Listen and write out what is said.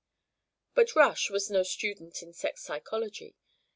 But Rush was no student in sex psychology.